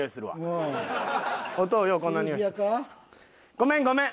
ごめんごめん。